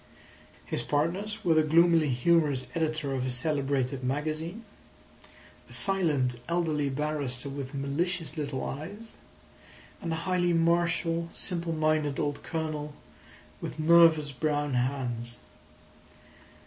His partners were the gloomily humorous editor of a celebrated magazine; a silent, elderly barrister with malicious little eyes; and a highly martial, simple minded old Colonel with nervous brown hands.